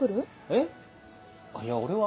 えっあいや俺は。